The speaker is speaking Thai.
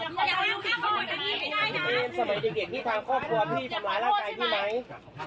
เอ็มพี่แอมสมัยเด็กเด็กที่ทำครอบครัวพี่ทำหลายร่างกายพี่ไหม